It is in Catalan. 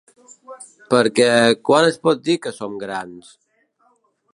Perquè, quan es pot dir que som grans?